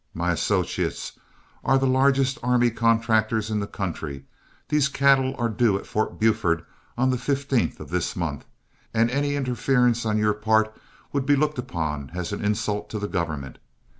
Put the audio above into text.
My associates are the largest army contractors in the country, these cattle are due at Fort Buford on the 15th of this month, and any interference on your part would be looked upon as an insult to the government.